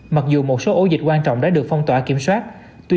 mặc dù một số ổ dịch quan trọng đã được phong tỏa kiểm soát tuy